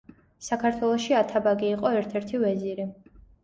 საქართველოში ათაბაგი იყო ერთ-ერთი ვეზირი.